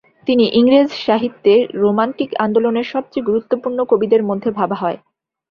তিনি ইংরেজ সাহিত্যে রোমান্টিক আন্দোলনের সবচেয়ে গুরুত্বপূর্ণ কবিদের মধ্যে ভাবা হয়।